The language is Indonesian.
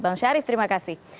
bang syarif terima kasih